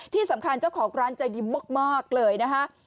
ที่สำคัญเจ้าของร้านใจยิ้มมากเลยนะคะ